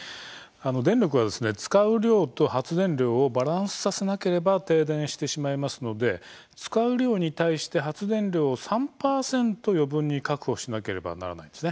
電力は使う量と発電量をバランスさせなければ停電してしまいますので使う量に対して発電量を３％余分に確保しなければならないんです。